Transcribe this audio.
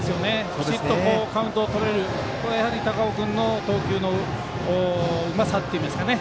きちんとカウントをとれると高尾君の投球のうまさというんですかね。